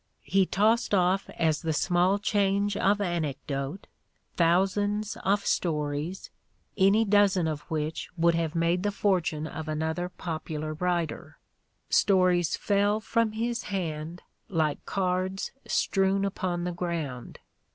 He tossed off as the small change of anecdote thousands of stories any dozen of which would have made the fortune of another popular writer : stories fell from his hand like cards strewn upon the ground.